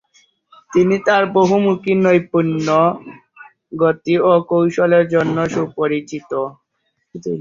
তিনি তার বহুমুখী নৈপুণ্য, গতি ও কৌশলের জন্য সুপরিচিত।